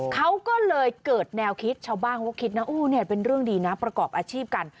เขาก็เลยเกิดแนวคิดชาวบ้านเขาคิดนะอู้เนี่ยเป็นเรื่องดีนะประกอบอาชีพกัน